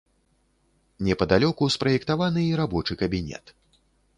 Непадалёку спраектаваны і рабочы кабінет.